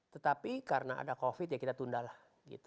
tetapi karena ada covid ya kita tunda lah gitu